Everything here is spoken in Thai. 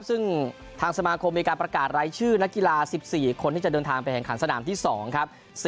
ซึ่งทางสมาคมมีการประกาศรายชื่อนักกีฬา๑๔คนที่จะเดินทางไปแข่งขันสนามที่๒ครับ